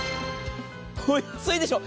お安いでしょう。